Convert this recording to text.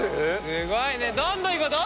すごいね！